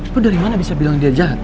aku dari mana bisa bilang dia jahat